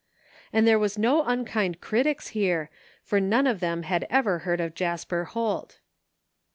And there were no unkind critics here, for none of them had ever heard of Jasper Holt.